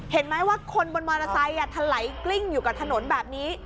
เห็นไหมว่าคนบนมอเตอร์ไซค์ทะไหลกลิ้งอยู่กับถนนแบบนี้